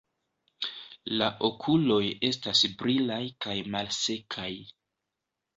La okuloj estas brilaj kaj malsekaj.